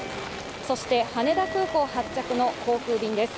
そして、羽田空港発着の航空便です